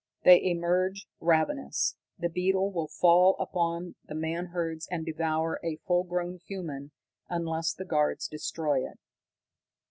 They emerge ravenous. That beetle will fall upon the man herds and devour a full grown man, unless the guards destroy it."